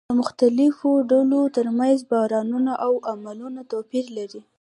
د مختلفو ډلو ترمنځ باورونه او عملونه توپير لري.